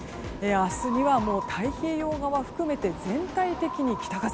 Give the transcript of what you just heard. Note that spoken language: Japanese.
明日にはもう、太平洋側含めて全体的に北風。